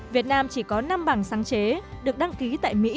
việt nam chỉ có năm bằng sáng chế được đăng ký tại mỹ